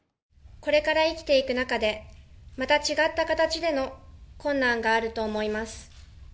これから生きていく中で、また違った形での困難があると思います。